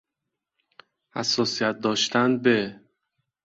حساسیت داشتن به